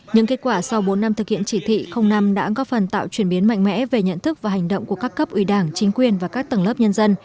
những kết quả sau bốn năm thực hiện chỉ thị năm đã có phần tạo chuyển biến mạnh mẽ về nhận thức và hành động của các cấp ủy đảng chính quyền và các tầng lớp nhân dân